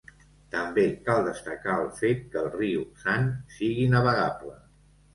També cal destacar el fet que el riu San sigui navegable.